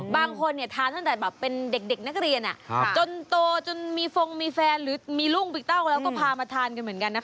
บางคนทานตั้งแต่แบบเป็นเด็กนักเรียนจนโตจนมีฟงมีแฟนหรือมีลูกบิกเต้าแล้วก็พามาทานกันเหมือนกันนะคะ